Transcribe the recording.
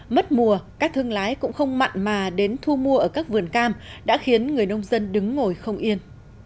mất mùa các thương lái cũng không mặn mà đến thu mua ở các vườn cam đã khiến người nông dân đứng ngồi không yên